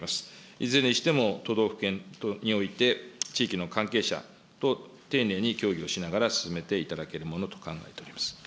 いずれにしても都道府県において、地域の関係者等と丁寧に協議をしながら進めていただけるものと考